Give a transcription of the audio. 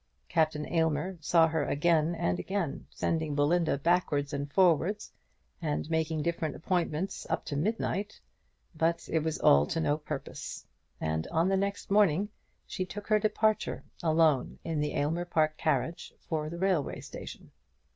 Captain Aylmer saw her again and again, sending Belinda backwards and forwards, and making different appointments up to midnight; but it was all to no purpose, and on the next morning she took her departure alone in the Aylmer Park carriage for the railway station.